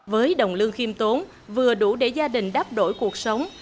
với đồng lương khiêm tốn vừa đủ để gia đình đáp đổi cuộc sống